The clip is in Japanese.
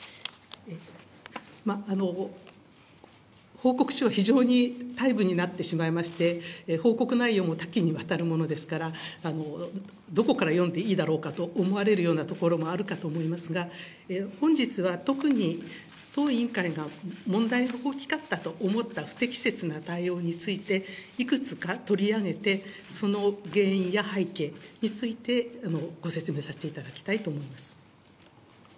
報告書は非常に大部になってしまいまして、報告内容も多岐にわたるものですから、どこから読んでいいだろうかと思われるような所もあるかと思いますが、本日は特に当委員会が問題の大きかったと思った不適切な対応について、いくつか取り上げて、その原因や背景についてご説明させていただきたいと思います。